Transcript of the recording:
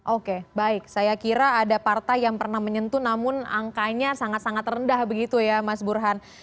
oke baik saya kira ada partai yang pernah menyentuh namun angkanya sangat sangat rendah begitu ya mas burhan